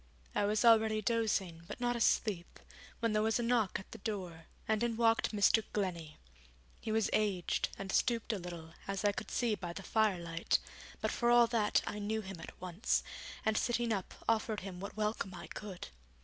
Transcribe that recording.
I was already dozing, but not asleep, when there was a knock at the door, and in walked Mr. Glennie. He was aged, and stooped a little, as I could see by the firelight, but for all that I knew him at once, and sitting up offered him what welcome I could.